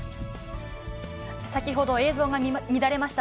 先ほど映像が乱れました。